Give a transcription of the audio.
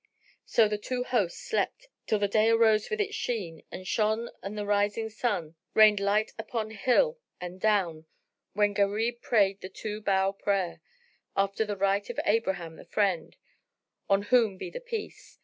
So the two hosts slept till the day arose with its sheen and shone and the rising sun rained light upon hill and down, when Gharib prayed the two bow prayer, after the rite of Abraham the Friend (on whom be the Peace!)